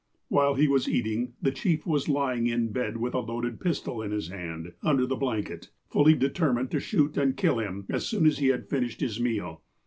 While he was eating, the chief was lying in bed with a loaded pistol in his hand under the blanket, fully deter mined to shoot and kill him as soon as he had finished his meal.